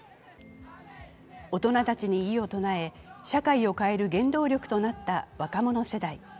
大人たちに異を唱え、社会を変える言動力となった若者世代。